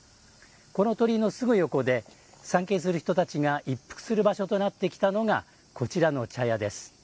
この鳥居のすぐ横で参詣する人たちが一服する場所となってきたのがこちらの茶屋です。